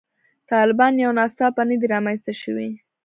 طالبان یو ناڅاپه نه دي رامنځته شوي.